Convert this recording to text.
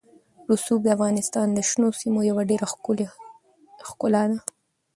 رسوب د افغانستان د شنو سیمو یوه ډېره ښکلې ښکلا ده.